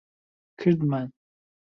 کردمان.